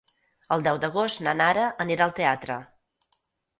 El deu d'agost na Nara anirà al teatre.